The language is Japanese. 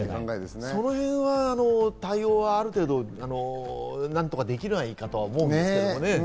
そのへんの対応はある程度、何とかできないかと思うんですけどね。